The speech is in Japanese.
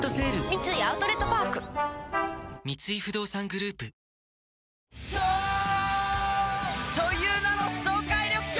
三井アウトレットパーク三井不動産グループ颯という名の爽快緑茶！